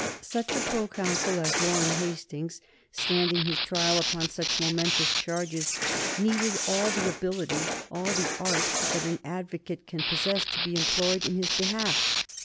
Such a proconsul as Warren Hastings standing his trial upon such momentous charges needed all the ability, all the art that an advocate can possess to be employed in his behalf.